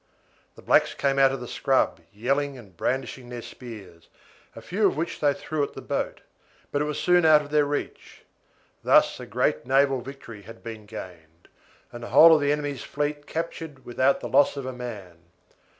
The blacks came out of the scrub, yelling and brandishing their spears, a few of which they threw at the boat, but it was soon out of their reach. Thus a great naval victory had been gained, and the whole of the enemy's fleet captured without the loss of a man.